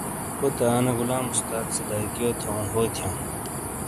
کوتے آ نے غلام استاد سے دبیکیو تھووں ہو تھیاں۔